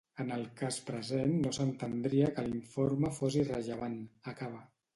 En el cas present no s’entendria que l’informe fos irrellevant, acaba.